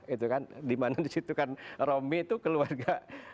itu kan dimana disitu kan romi itu keluarga